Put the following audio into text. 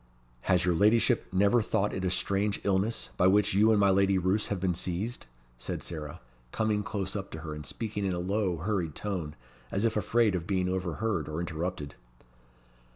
"Has your ladyship never thought it a strange illness by which you and my Lady Roos have been seized?" said Sarah, coming close up to her, and speaking in a low, hurried tone, as if afraid of being overheard, or interrupted.